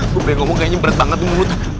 gue pengen ngomong kayaknya berat banget